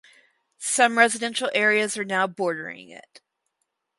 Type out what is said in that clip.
Some residential areas are now bordering it.